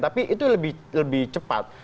tapi itu lebih cepat